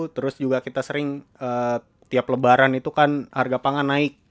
terus juga kita sering tiap lebaran itu kan harga pangan naik